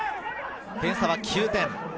点差は９点。